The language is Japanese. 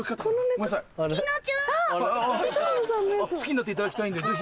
好きになっていただきたいんでぜひ。